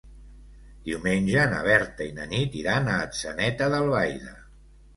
Diumenge na Berta i na Nit iran a Atzeneta d'Albaida.